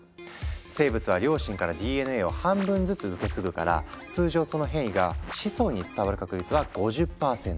生物は両親からＤＮＡを半分ずつ受け継ぐから通常その変異が子孫に伝わる確率は５０％。